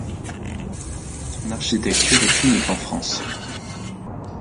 Son architecture est unique en France.